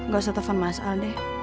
gak usah telfon mas alde